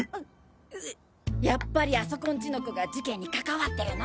やっぱりあそこん家の子が事件に関わってるの？